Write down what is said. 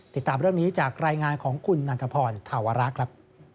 ติดตามเรื่องนี้จากรายงานของคุณนันทพรธาวระครับ